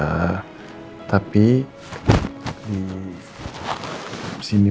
kenapa orang tua gini semua